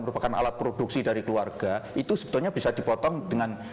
merupakan alat produksi dari keluarga itu sebetulnya bisa dipotong dengan